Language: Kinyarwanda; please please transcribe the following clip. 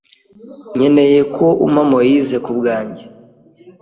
Nkeneye ko umpa Moise kubwanjye.